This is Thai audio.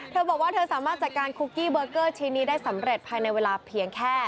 เธอบอกว่าเธอสามารถจัดการคุกกี้เบอร์เกอร์ชิ้นนี้ได้สำเร็จภายในเวลาเพียงแค่